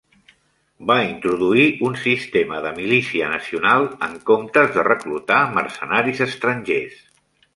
Va introduir un sistema de milícia nacional en comptes de reclutar mercenaris estrangers.